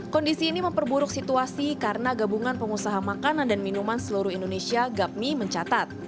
kondisi ini memperburuk situasi karena gabungan pengusaha makanan dan minuman seluruh indonesia gapmi mencatat